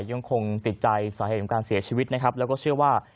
ยังคงติดใจสาเหตุของการเสียชีวิตนะครับแล้วก็เชื่อว่า